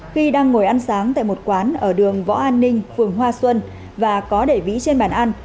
khi đang ngồi ăn sáng tại một quán ở đường võ an ninh phường hoa xuân và có để vĩ trên bàn ăn